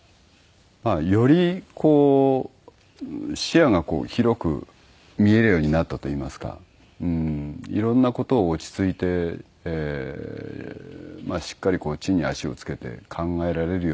より視野が広く見えるようになったといいますかいろんな事を落ち着いてしっかり地に足を着けて考えられるように。